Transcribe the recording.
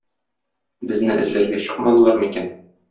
Безне эзләргә чыкмадылар микән?